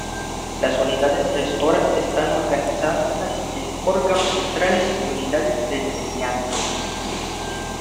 Las unidades gestoras están organizadas en órganos Centrales, y Unidades de Enseñanza.